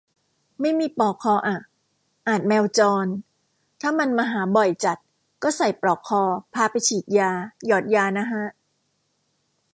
ไม่มีปลอกคออะ อาจแมวจร ถ้ามันมาหาบ่อยจัดก็ใส่ปลอกคอ พาไปฉีดยา หยอดยานะฮะ